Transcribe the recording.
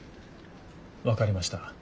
分かりました。